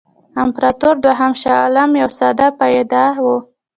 امپراطور دوهم شاه عالم یو ساده پیاده وو.